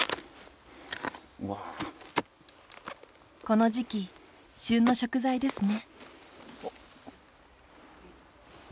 この時期旬の食材ですね。